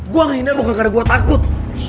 gue akhirnya bukan karena gue takut